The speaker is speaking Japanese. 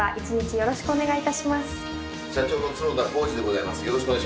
よろしくお願いします。